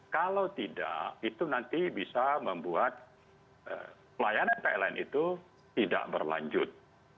kalau tidak itu nanti bisa membuat pelayanan pln itu tidak berlanjut